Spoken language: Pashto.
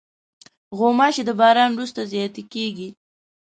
غوماشې د باران وروسته زیاتې کېږي.